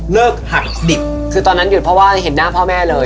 หักดิบคือตอนนั้นหยุดเพราะว่าเห็นหน้าพ่อแม่เลย